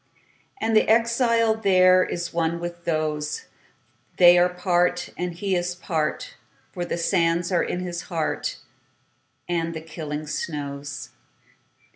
And the exile thereIs one with those; They are part, and he is part, For the sands are in his heart, And the killing snows.